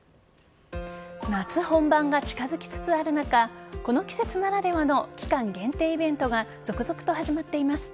夏本番が近づきつつある中この季節ならではの期間限定イベントが続々と始まっています。